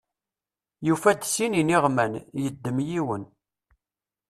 Yufa-d sin iniɣman, yeddem yiwen.